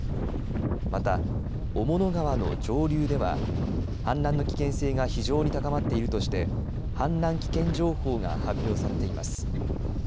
また、雄物川の上流では氾濫の危険性が非常に高まっているとして氾濫危険情報が発表されています。